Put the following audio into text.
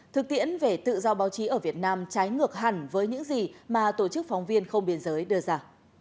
thực tiễn về tự do báo chí ở việt nam trái ngược hẳn với những gì mà tổ chức phóng viên không biên giới đưa ra